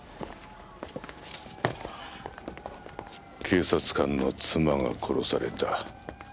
警察官の妻が殺された。